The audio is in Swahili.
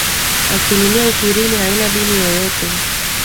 Asilimia ishirini haina dini yoyote